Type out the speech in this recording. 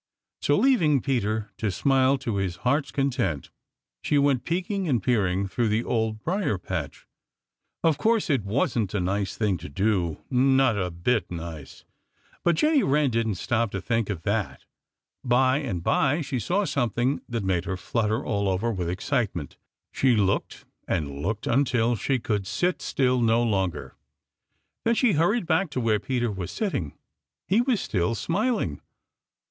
So leaving Peter to smile to his heart's content, she went peeking and peering through the Old Briar patch. Of course it wasn't a nice thing to do, not a bit nice. But Jenny Wren didn't stop to think of that. By and by she saw something that made her flutter all over with excitement. She looked and looked until she could sit still no longer. Then she hurried back to where Peter was sitting. He was still smiling.